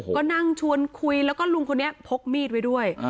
ก็นั่งชวนคุยแล้วก็ลุงคนนี้พกมีดไว้ด้วย